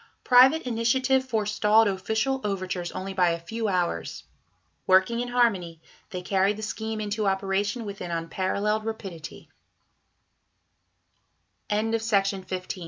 Private initiative forestalled official overtures only by a few hours. Working in harmony, they carried the scheme into operation with an unparalleled rapi